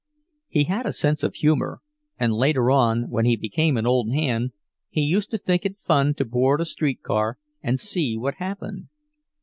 He had a sense of humor, and later on, when he became an old hand, he used to think it fun to board a streetcar and see what happened.